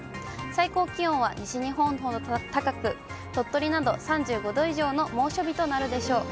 最高気温は西日本ほど高く、鳥取など３５度以上の猛暑日となるでしょう。